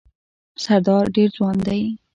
سردار ډېر ځوان دی.